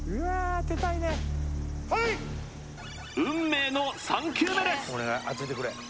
プレイ運命の３球目です！